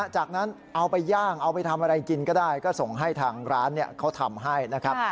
จากนั้นเอาไปย่างเอาไปทำอะไรกินก็ได้ก็ส่งให้ทางร้านเขาทำให้นะครับ